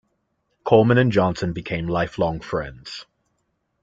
Coleman and Johnson became lifelong friends.